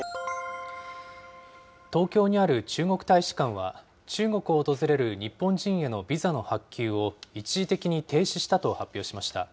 東京にある中国大使館は、中国を訪れる日本人へのビザの発給を一時的に停止したと発表しました。